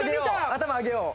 頭上げよう。